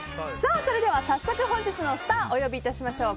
それでは早速、本日のスターお呼び致しましょう。